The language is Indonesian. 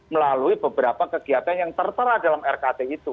melalui beberapa kegiatan yang tertera dalam rkt itu